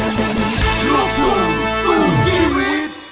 สวัสดี